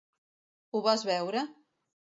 Ho vas veure?